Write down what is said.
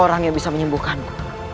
orang yang bisa menyembuhkanku